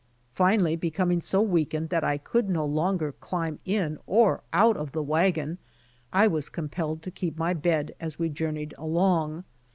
Finally becoming so weakened that I could no longer climb in or out of the wagon, I was compelled to keep my bed as we journeyed along.